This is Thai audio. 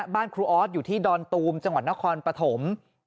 บ้านครูออสอยู่ที่ดอนตูมจังหวัดนครปฐม